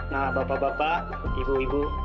nah bapak bapak ibu ibu